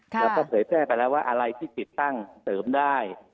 เราก็เผยแพร่ไปแล้วว่าอะไรที่ติดตั้งเสริมได้